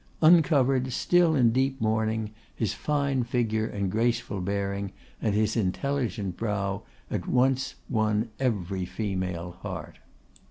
Uncovered, still in deep mourning, his fine figure, and graceful bearing, and his intelligent brow, at once won every female heart.